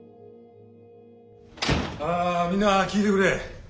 ああみんな聞いてくれ。